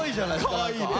かわいいね。